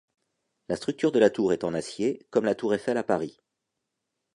La structure de la tour est en acier, comme la Tour Eiffel à Paris.